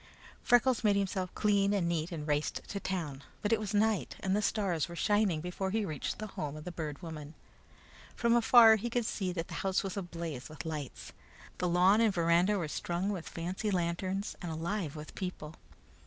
Freckles made himself clean and neat, and raced to town, but it was night and the stars were shining before he reached the home of the Bird Woman. From afar he could see that the house was ablaze with lights. The lawn and veranda were strung with fancy lanterns and alive with people.